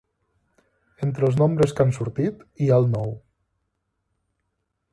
Entre els nombres que han sortit, hi ha el nou.